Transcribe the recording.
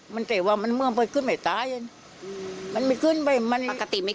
มันแต่ว่ามันเมื่อไปขึ้นไม่ตายมันไม่ขึ้นไปมันปกติไม่